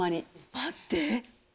待って。